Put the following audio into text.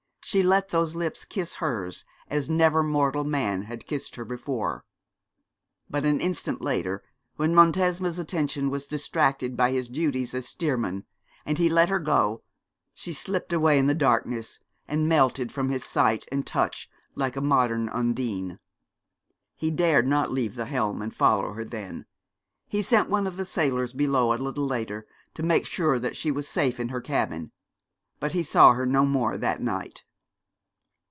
She let those lips kiss hers as never mortal man had kissed her before. But an instant later, when Montesma's attention was distracted by his duties as steersman, and he let her go, she slipped away in the darkness, and melted from his sight and touch like a modern Undine. He dared not leave the helm and follow her then. He sent one of the sailors below a little later, to make sure that she was safe in her cabin; but he saw her no more that night.